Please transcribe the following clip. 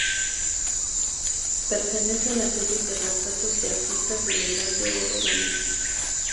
Pertenece a la serie de retratos de artistas de la Edad de Oro danesa.